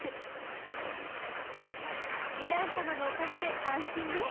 ヴィラン様のおかげで安心ね。